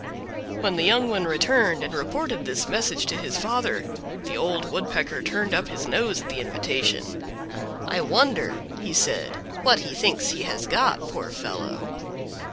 When the young one returned and reported this message to his father the Old Woodpecker turned up his nose at the invitation. "I wonder," he said "what he thinks he has got, poor fellow!"